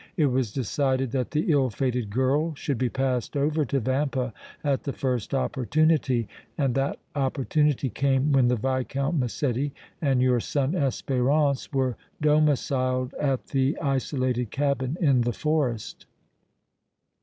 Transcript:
It was decided that the ill fated girl should be passed over to Vampa at the first opportunity, and that opportunity came when the Viscount Massetti and your son Espérance were domiciled at the isolated cabin in the forest.